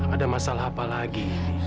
ada masalah apa lagi